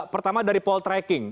pertama dari poll tracking